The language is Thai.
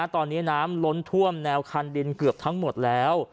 ตอนนี้น้ำล้นท่วมแนวคันดินเกือบทั้งหมดแล้ว